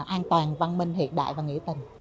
an toàn văn minh hiện đại và nghĩa tình